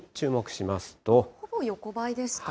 ほぼ横ばいですか。